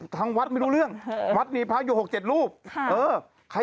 ทางวัดไม่รู้เรื่องวัดมีพระอยู่หกเจ็ดรูปค่ะเออใคร